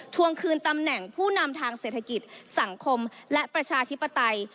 วงคืนตำแหน่งผู้นำทางเศรษฐกิจสังคมและประชาธิปไตย